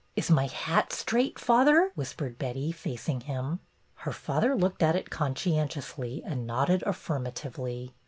'' Is my hat straight, father ?" whispered Betty, facing him. Her father looked at it conscientiously and nodded affirmatively.